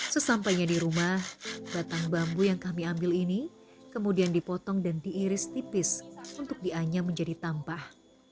sesampainya di rumah batang bambu yang kami ambil ini kemudian dipotong dan diiris tipis untuk dianyam menjadi tampah